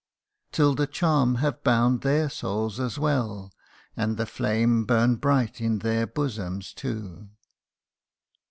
Till the charm have bound their souls as well, And the flame burn bright in their bosoms too.